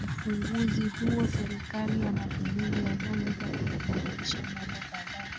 Kwenye ufunguzi huo Serikali ya Mapinduzi ya Zanzibar ilibainisha mambo kadhaa